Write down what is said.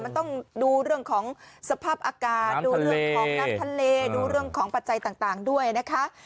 มันต้องดูเรื่องของสภาพอากาศดูเรื่องของน้ำทะเลดูเรื่องของปัจจัยต่างด้วยนะคะ